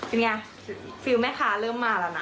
เป็นยังไงชอบหน้าตาเริ่มมาแล้วนะ